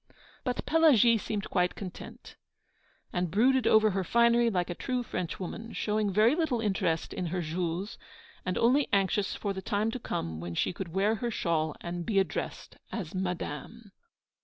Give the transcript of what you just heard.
But Pelagie seemed quite content, and brooded over her finery like a true Frenchwoman, showing very little interest in her Jules, and only anxious for the time to come when she could wear her shawl and be addressed as Madame.